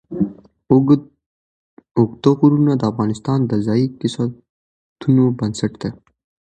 اوږده غرونه د افغانستان د ځایي اقتصادونو بنسټ دی.